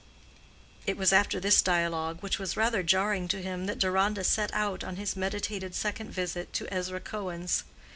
It was after this dialogue, which was rather jarring to him, that Deronda set out on his meditated second visit to Ezra Cohen's.